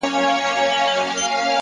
هوډ د شکونو دروازه تړي،